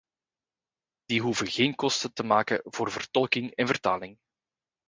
Die hoeven geen kosten te maken voor vertolking en vertaling.